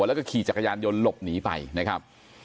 แล้วก็ขี่จักรยานยนต์หลบหนีไปนะครับ